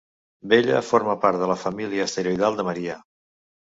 Bella forma part de la família asteroidal de Maria.